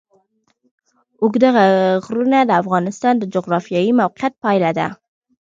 اوږده غرونه د افغانستان د جغرافیایي موقیعت پایله ده.